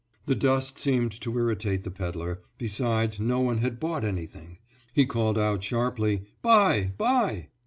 The dust seemed to irritate the pedler, besides, no one had bought anything. He called out sharply, "Buy—buy."